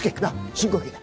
深呼吸だ